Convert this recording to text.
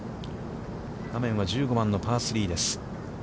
画面は１５番のパー３です。